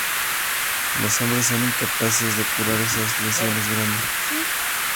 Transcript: Los hombres son incapaces de curar estas lesiones grandes.